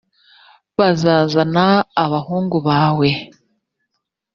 bazazana abahungu bawe